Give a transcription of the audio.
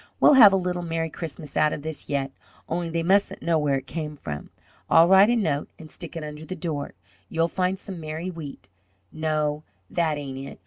We'll have a little merry Christmas out of this yet. Only they mustn't know where it came from. I'll write a note and stick it under the door, 'You'll find some merry wheat 'No, that ain't it.